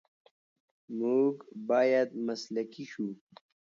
موږ باید مسلکي شو.